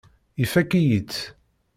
Ifakk-iyi-tt.